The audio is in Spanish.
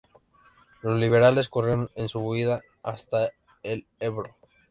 Los liberales corrieron en su huida hasta el Ebro.